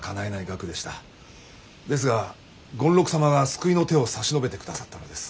ですが権六様が救いの手を差し伸べてくださったのです。